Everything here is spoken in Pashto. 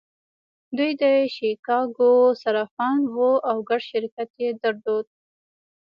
دوی د شیکاګو صرافان وو او ګډ شرکت یې درلود